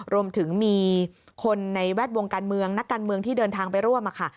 รวมถึงมีคนในแวดวงการเมืองนักการเมืองที่เดินทางไปร่วมค่ะ